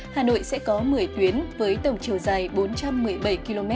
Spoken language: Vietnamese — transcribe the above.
hà nội sẽ có một mươi tuyến với tổng chiều dài bốn trăm một mươi bảy km